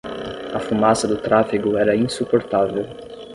A fumaça do tráfego era insuportável.